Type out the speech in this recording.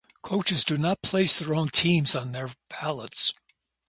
Coaches do not place their own team on their ballots.